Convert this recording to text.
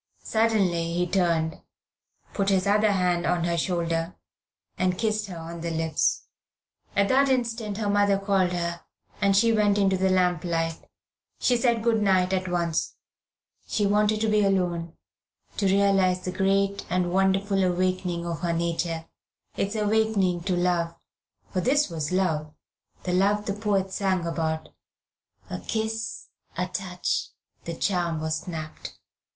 Suddenly he turned, put his other hand on her shoulder, and kissed her on the lips. At that instant her mother called her, and she went into the lamp light. She said good night at once. She wanted to be alone, to realise the great and wonderful awakening of her nature, its awakening to love for this was love, the love the poets sang about "A kiss, a touch, the charm, was snapped."